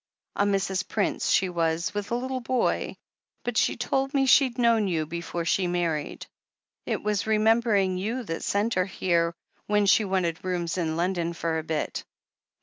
"A Mrs. Prince, she was, with a little boy — ^but she told me she'd knoAvn you before she married. It was remembering you that sent her here, when she wanted rooms in London for a bit.